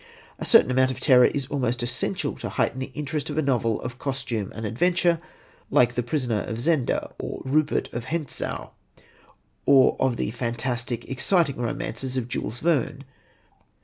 A certain amount of terror is almost essential to heighten the interest of a novel of costume and adventure, like The Prisoner of Zenda or Rupert of Hentzau, or of the fantastic, exciting romances of Jules Verne.